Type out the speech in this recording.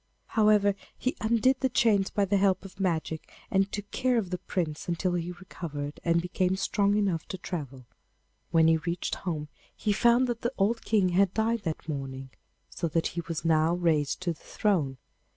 However, he undid the chains by the help of magic, and took care of the Prince until he recovered and became strong enough to travel. When he reached home he found that the old King had died that morning, so that he was now raised to the throne.